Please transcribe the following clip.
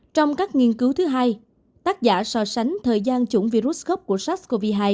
trong các nghiên cứu thứ hai tác giả so sánh thời gian chủng virus của sars cov hai